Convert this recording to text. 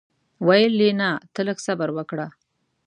ویل یې نه ته لږ صبر وکړه.